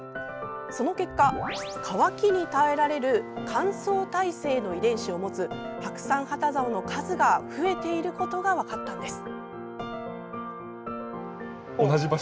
その結果、乾きに耐えられる乾燥耐性の遺伝子を持つハクサンハタザオの数が増えていることが分かったんです。